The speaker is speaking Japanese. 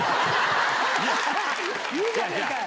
いいじゃねえかよ！